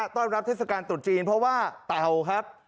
ต้อนรับเทศกาลตรุษจีนเพราะว่าเต่าครับ